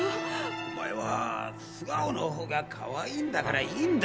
お前は素顔の方がかわいいんだからいいんだよ。